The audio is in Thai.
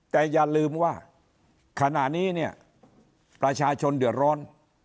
แต่อย่าลืมว่าขณะนี้เนี่ยประชาชนเดือดร้อน